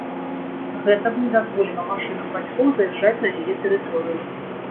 Гэта б не дазволіла машынам бацькоў заязджаць на яе тэрыторыю.